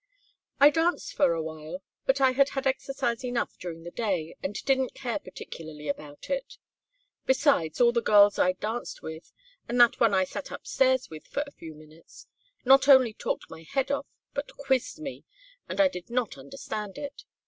"I danced for a while, but I had had exercise enough during the day, and didn't care particularly about it. Besides, all the girls I danced with, and that one I sat up stairs with for a few minutes, not only talked my head off, but quizzed me, and I did not understand it.